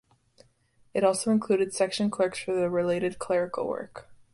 It also included Section Clerks for the related clerical work.